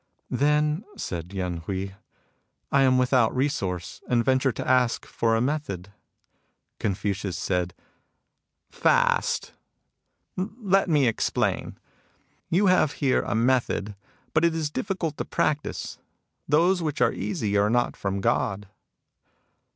"Then," said Yen Hui, "I am without re source, and venture to ask for a method." Confucius said :" Fast /... Let me explain. You have here a method, but it is difficult to practise. Those which are easy are not from God."